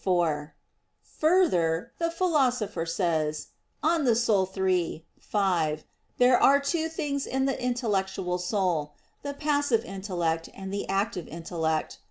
4: Further, the Philosopher says (De Anima iii, 5) there are two things in the intellectual soul the passive intellect and the active intellect.